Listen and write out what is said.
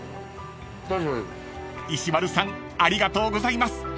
［石丸さんありがとうございます］